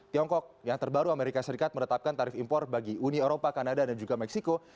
tiongkok yang terbaru amerika serikat menetapkan tarif impor bagi uni eropa kanada dan juga meksiko